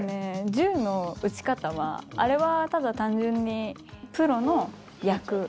銃の撃ち方はあれはただ単純に。